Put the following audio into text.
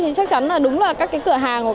thì chắc chắn là đúng là các cái tưởng tượng